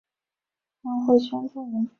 安徽宣州人。